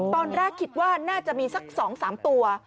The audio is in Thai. ตอนแรกคิดว่าน่าจะมีสัก๒๓ตัว